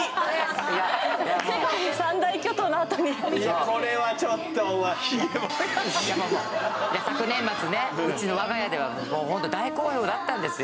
いやこれはちょっとお前昨年末ねうちの我が家ではもうホント大好評だったんですよ